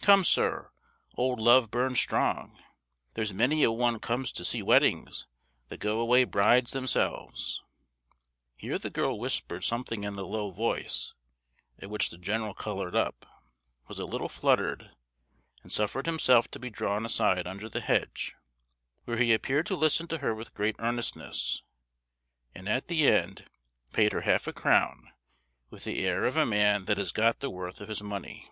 Come, sir, old love burns strong; there's many a one comes to see weddings that go away brides themselves!" Here the girl whispered something in a low voice, at which the general coloured up, was a little fluttered, and suffered himself to be drawn aside under the hedge, where he appeared to listen to her with great earnestness, and at the end paid her half a crown with the air of a man that has got the worth of his money.